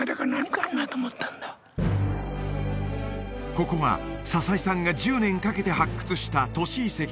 ここは佐々井さんが１０年かけて発掘した都市遺跡